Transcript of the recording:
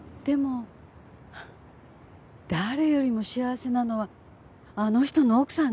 でも誰よりも幸せなのはあの人の奥さんね。